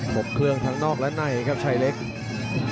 บเครื่องทั้งนอกและในครับชายเล็ก